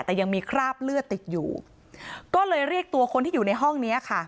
แต่ยังมีคราบเลือดติดอยู่ก็เลยเรียกตัวคนที่อยู่ในห้องเนี้ยค่ะ